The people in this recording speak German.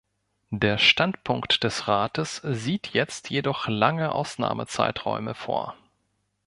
Der Standpunkt des Rates sieht jetzt jedoch lange Ausnahmezeiträume vor.